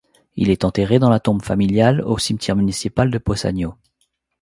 Il est enterré dans la tombe familiale au cimetière municipal de Possagno.